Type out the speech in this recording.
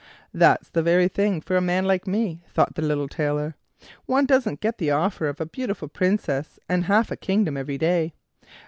"That's the very thing for a man like me," thought the little Tailor; "one doesn't get the offer of a beautiful princess and half a kingdom every day."